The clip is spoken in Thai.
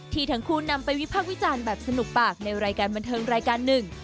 ที่ทั้งคู่นำไปวิพากษ์วิจารณ์แบบสนุกปากในรายการบันเทิงรายการหนึ่ง